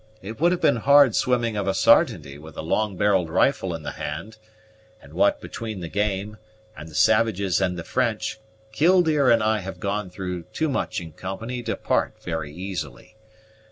It would have been hard swimming of a sartainty, with a long barrelled rifle in the hand; and what between the game, and the savages and the French, Killdeer and I have gone through too much in company to part very easily.